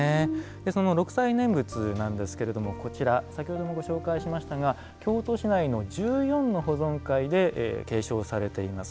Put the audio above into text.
その六斎念仏なんですけれどもこちら先ほどもご紹介しましたが京都市内の１４の保存会で継承されています。